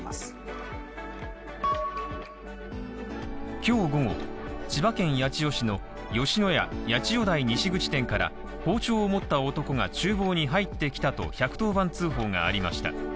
今日午後、千葉県八千代市の吉野家八千代台西口店に包丁を持った男が厨房に入ってきたと１１０番通報がありました。